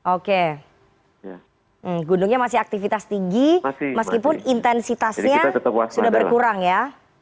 oke gunungnya masih aktivitas tinggi meskipun intensitasnya sudah berkurang ya